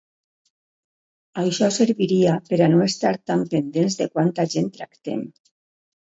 Això serviria per a no estar tan pendents de quanta gent tractem.